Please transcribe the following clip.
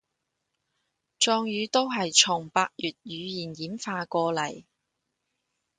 壯語都係從百越語言演化過禮